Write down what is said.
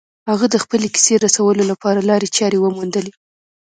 هغه د خپلې کیسې رسولو لپاره لارې چارې وموندلې